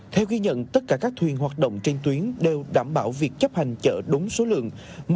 theo ghi nhận tất cả các thuyền hoạt động trên tuyến đều đảm bảo việc chấp hành chở đúng số lượng